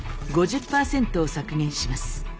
５０％を削減します。